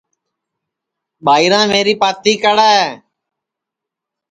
ٻائیراں میری پاتی کڑے